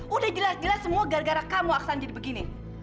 udah jelas jelas semua gara gara kamu aksan jadi begini